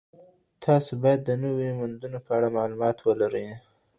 تاسو بايد د نويو موندنو په اړه معلومات ولرئ.